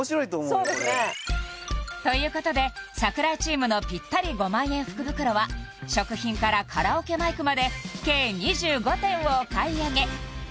これそうですねということで櫻井チームのぴったり５万円福袋は食品からカラオケマイクまで計２５点をお買い上げ